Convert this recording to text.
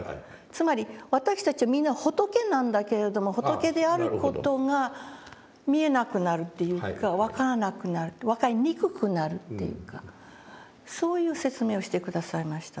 つまり私たちはみんな仏なんだけれども仏である事が見えなくなるというか分からなくなる分かりにくくなるっていうかそういう説明をして下さいましたね。